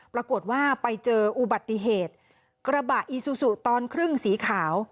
ปรากฏว่าไปเจออุบัติเหตุกระบะอีซูซูตอนครึ่งสีขาว